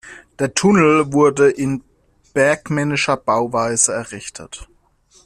Der Tunnel wurde in bergmännischer Bauweise errichtet.